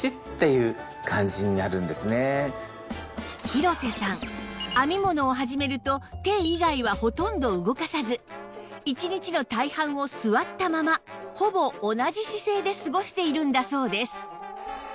広瀬さん編み物を始めると手以外はほとんど動かさず一日の大半を座ったままほぼ同じ姿勢で過ごしているんだそうです